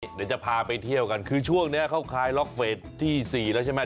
เดี๋ยวจะพาไปเที่ยวกันคือช่วงนี้เขาคลายล็อกเฟสที่๔แล้วใช่ไหม